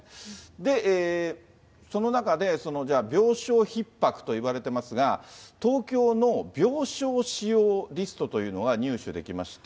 で、その中で、じゃあ病床ひっ迫といわれていますが、東京の病床使用リストというのが入手できまして。